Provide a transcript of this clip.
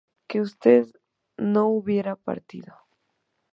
que usted no hubiera partido